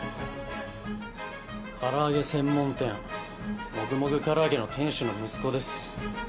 唐揚げ専門店もぐもぐからあげの店主の息子です。